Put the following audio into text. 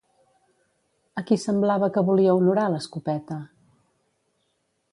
A qui semblava que volia honorar l'escopeta?